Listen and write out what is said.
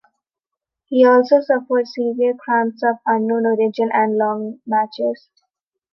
He also suffered severe cramps of unknown origin in long matches.